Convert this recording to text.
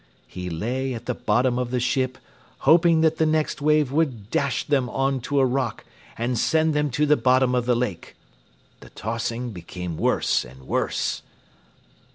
He lay at the bottom of the ship, hoping that the next wave would dash them on to a rock and send them to the bottom of the lake. The tossing became worse and worse.